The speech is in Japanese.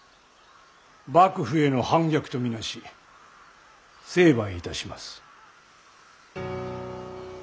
幕府への反逆と見なし成敗いたします。